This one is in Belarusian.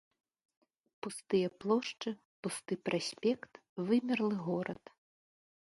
Пустыя плошчы, пусты праспект, вымерлы горад.